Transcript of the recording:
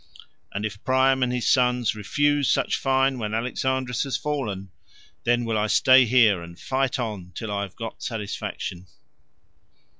And if Priam and his sons refuse such fine when Alexandrus has fallen, then will I stay here and fight on till I have got satisfaction."